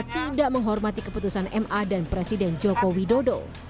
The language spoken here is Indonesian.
tidak menghormati keputusan ma dan presiden joko widodo